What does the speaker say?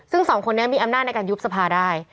ซึ่งสองคนนี้มีอำนาจในการยุบสภาได้